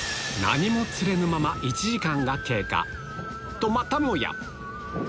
とまたもや